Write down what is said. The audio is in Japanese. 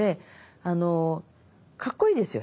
あのかっこいいですよ